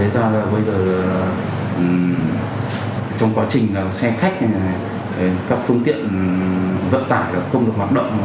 thế ra bây giờ trong quá trình xe khách các phương tiện vận tải không được hoạt động